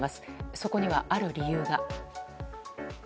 そこには、ある理由が。